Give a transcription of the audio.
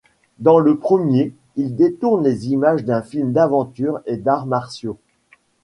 Dans le premier, il détourne les images d'un film d'aventures et d'arts martiaux.